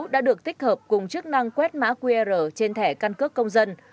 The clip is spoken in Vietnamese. đã được tích hợp cùng chức năng quét mã qr trên thẻ căn cước công dân